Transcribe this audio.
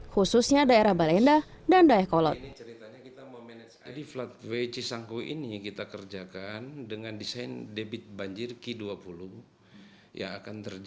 khususnya daerah balenda dan dayakolot